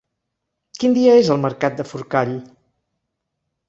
Quin dia és el mercat de Forcall?